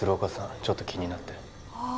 ちょっと気になってああ